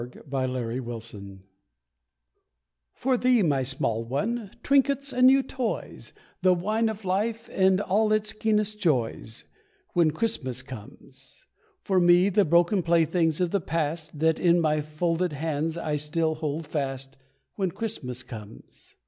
WHEN CHRISTMAS COMES For thee, my small one trinkets and new toys, The wine of life and all its keenest joys, When Christmas comes. For me, the broken playthings of the past That in my folded hands I still hold fast, When Christmas comes.